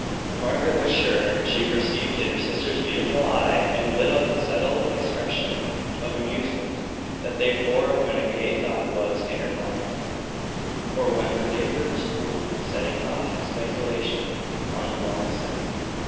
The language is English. Margaret was sure she perceived in her sister's beautiful eye and lip the subtle expression of amusement that they bore when a gay thought was in her mind, or when her neighbours were setting off in speculation on a wrong scent.